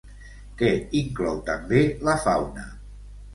Què inclou també la fauna?